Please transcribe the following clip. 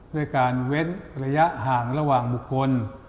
ด้วยการเว้นระยะห่างระหว่างบุคคล